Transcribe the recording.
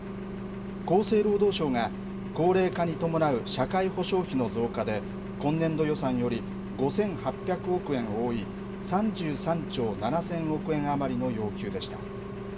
厚生労働省が、高齢化に伴う社会保障費の増加で、今年度予算より５８００億円多い３３兆７０００億円余りの要求でした。